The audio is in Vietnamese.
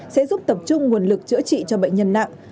sẽ giúp tập trung nguồn lực chữa trị cho bệnh nhân nặng